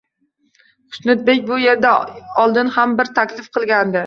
Xushnudbek bu yerga oldin ham bir taklif qilgandi.